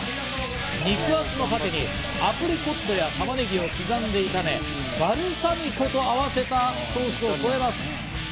肉厚のパテにアプリコットや玉ねぎを刻んで炒め、バルサミコと合わせたソースを添えます。